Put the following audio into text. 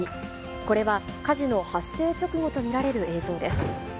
これは火事の発生直後と見られる映像です。